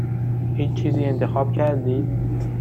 هیچ چیزی انتخاب کردید؟